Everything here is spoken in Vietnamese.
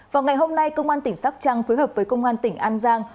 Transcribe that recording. vào ngày hôm nay công an tỉnh sóc trăng phối hợp với công an tỉnh an giang